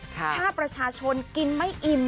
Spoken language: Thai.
ถ้าประชาชนกินไม่อิ่ม